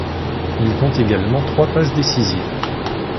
Il compte également trois passes décisives.